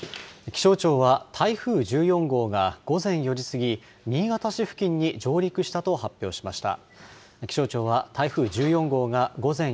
気象庁は台風１４号が午前４時過ぎ、新潟市付近に上陸したと発表しました。